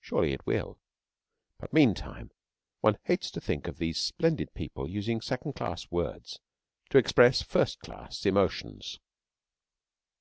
Surely it will; but meantime one hates to think of these splendid people using second class words to express first class emotions.